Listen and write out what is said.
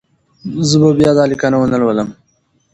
زه به بیا دا لیکنه ونه لولم.